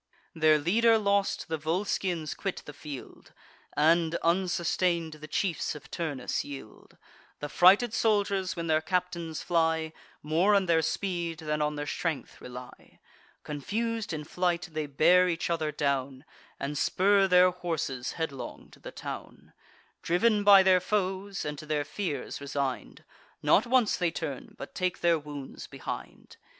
Their leader lost, the Volscians quit the field, And, unsustain'd, the chiefs of Turnus yield. The frighted soldiers, when their captains fly, More on their speed than on their strength rely. Confus'd in flight, they bear each other down, And spur their horses headlong to the town. Driv'n by their foes, and to their fears resign'd, Not once they turn, but take their wounds behind.